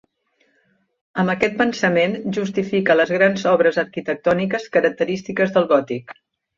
Amb aquest pensament justifica les grans obres arquitectòniques característiques del gòtic.